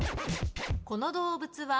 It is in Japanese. この動物は？